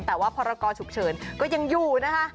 แต่ว่าพรกรฉุกเฉินก็ยังอยู่นะคะ